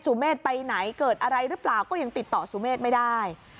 เมฆไปไหนเกิดอะไรหรือเปล่าก็ยังติดต่อสุเมฆไม่ได้